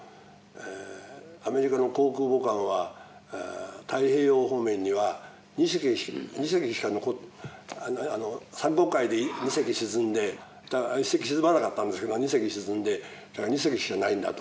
アメリカの航空母艦は太平洋方面には２隻しか残って珊瑚海で２隻沈んで１隻沈まなかったんですけど２隻沈んで２隻しかないんだと。